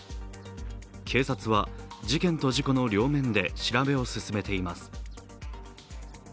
警察は、事件と事故の両面で調べを進めています。